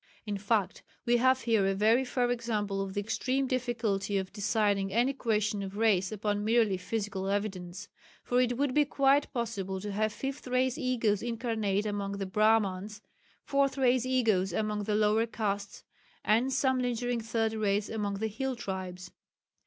In fact we have here a very fair example of the extreme difficulty of deciding any question of race upon merely physical evidence, for it would be quite possible to have Fifth Race egos incarnate among the Brahmans, Fourth Race egos among the lower castes, and some lingering Third Race among the hill tribes.